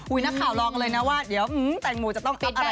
อุ๊ยนักข่าวลองเลยนะว่าเดี๋ยวแต่งโบจะต้องอัพอะไรแน่เลย